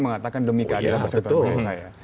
mengatakan demi keadilan persekutuan oh ya betul